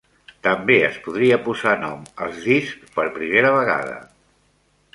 També es podria posar nom als discs per primera vegada.